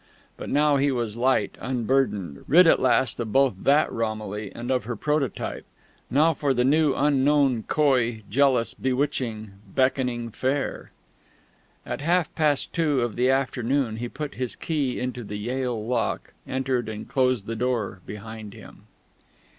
But now he was light, unburdened, rid at last both of that Romilly and of her prototype. Now for the new unknown, coy, jealous, bewitching, Beckoning Fair!... At half past two of the afternoon he put his key into the Yale lock, entered, and closed the door behind him....